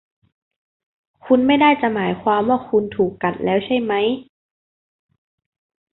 คุณไม่ได้จะหมายความว่าคุณถูกกัดแล้วใช่มั้ย ?